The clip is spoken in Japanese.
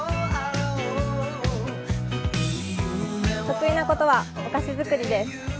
得意なことはお菓子作りです。